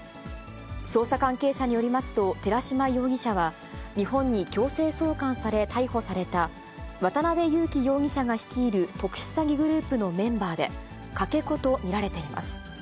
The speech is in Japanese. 捜査関係者によりますと、寺島容疑者は、日本に強制送還され逮捕された、渡辺優樹容疑者が率いる特殊詐欺グループのメンバーで、かけ子と見られています。